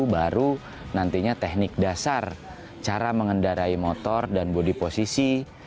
baru nantinya teknik dasar cara mengendarai motor dan body posisi